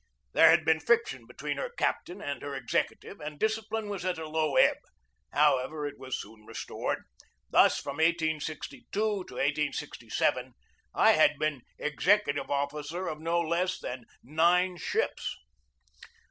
There had been friction be tween her captain and her executive, and discipline was at a low ebb. However, it was soon restored. Thus, from 1862 to 1867, 1 had been executive officer of no less than nine ships.